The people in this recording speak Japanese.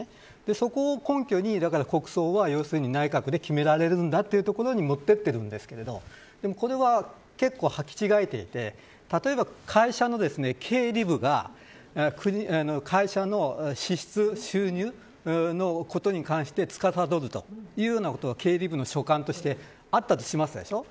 そこを根拠に、国葬は内閣で決められているんだというところに持っていっているんですがこれは結構はき違えていて例えば会社の経理部が会社の支出、収入のことに関してつかさどるということが経理部の所管としてあったりしますでしょ。